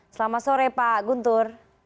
selamat sore pak guntur